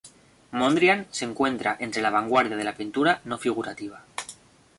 Mondrian se encuentra entre la vanguardia de la pintura no figurativa.